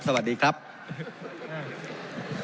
ผมจะขออนุญาตให้ท่านอาจารย์วิทยุซึ่งรู้เรื่องกฎหมายดีเป็นผู้ชี้แจงนะครับ